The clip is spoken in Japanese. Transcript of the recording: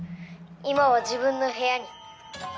今は自分の部屋に」